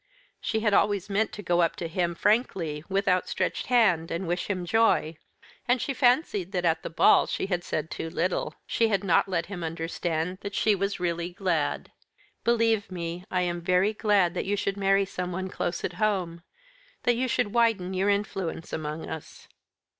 She had always meant to go up to him frankly, with outstretched hand, and wish him joy. And she fancied that at the ball she had said too little. She had not let him understand that she was really glad. "Believe me, I am very glad that you should marry someone close at home that you should widen your influence among us."